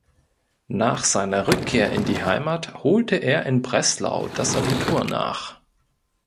Nach seiner Rückkehr in die Heimat holte er in Breslau das Abitur nach.